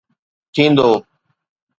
ٿيندو